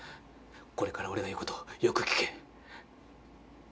これから俺が言うことをよく聞け。